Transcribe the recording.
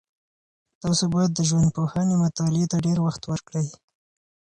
تاسو باید د ژوندپوهنې مطالعې ته ډېر وخت ورکړئ.